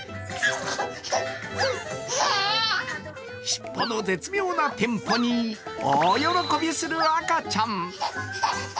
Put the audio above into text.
尻尾の絶妙なテンポに大喜びする赤ちゃん。